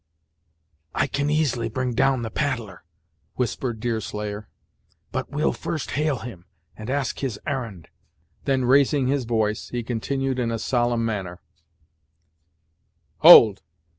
"I can easily bring down the paddler," whispered Deerslayer, "but we'll first hail him, and ask his arrn'd." Then raising his voice, he continued in a solemn manner "hold!